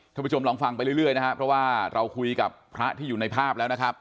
ท่านผู้ชมลองฟังไปเรื่อยนะครับเพราะว่าเราคุยกับพระที่อยู่ในภาพแล้วนะครับ